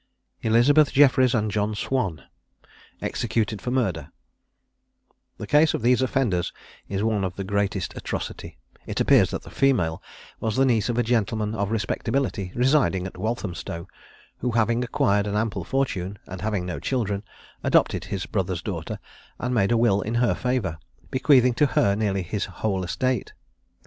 ELIZABETH JEFFRIES AND JOHN SWAN. EXECUTED FOR MURDER. The case of these offenders is one of the greatest atrocity. It appears that the female was the niece of a gentleman of respectability residing at Walthamstow, who, having acquired an ample fortune, and having no children, adopted his brother's daughter, and made a will in her favour, bequeathing to her nearly his whole estate.